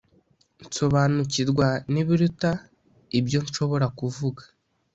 nsobanukirwa n’ibiruta ibyo nshobora kuvuga.